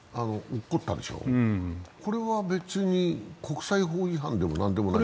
落っこったでしょ、これは別に国際法違反ではないの？